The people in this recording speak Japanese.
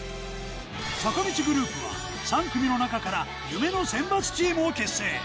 坂道グループは、３組の中から夢の選抜チームを結成。